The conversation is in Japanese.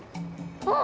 あっ！